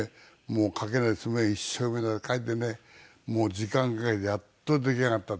「もう書けない」っつってもね一生懸命書いてねもう時間かけてやっと出来上がった。